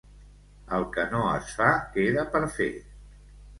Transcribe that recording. El que no es fa, queda per fer.